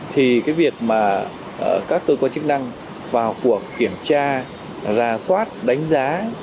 thì cái việc mà các cơ quan chức năng vào cuộc kiểm tra ra soát đánh giá